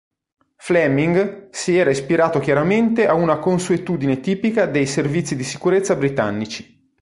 Fleming si era ispirato chiaramente a una consuetudine tipica dei servizi di sicurezza britannici.